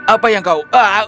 apa yang kau